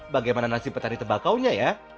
bagaimana nasib petani tembakaunya ya